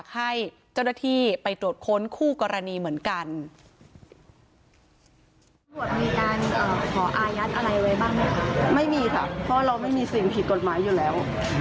ไม่มีค่ะเพราะเราไม่มีสิ่งผิดกฎหมายอยู่แล้ว